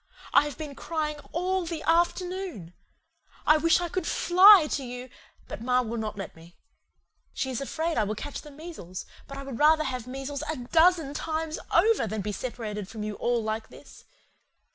I have been crying ALL THE AFTERNOON. I wish I could FLY to you, but ma will not let me. She is afraid I will catch the measles, but I would rather have the measles A DOZEN TIMES OVER than be sepparated from you all like this.